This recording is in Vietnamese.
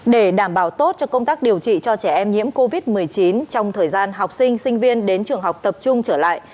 để đảm bảo tốt cho công tác điều trị cho trẻ em nhiễm covid một mươi chín trong thời gian học sinh sinh viên đến trường học tập trung trở lại